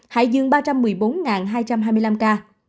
hải dương ba trăm một mươi bốn hai trăm hai mươi năm ca